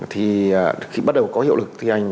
thì khi bắt đầu có hiệu lực thi hành